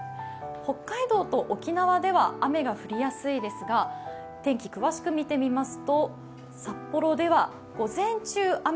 北海道と沖縄では雨が降りやすいですが、天気予報を見てみますと札幌では午前中、雨。